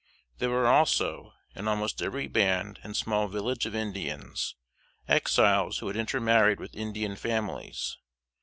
There were also, in almost every band and small village of Indians, Exiles who had intermarried with Indian families.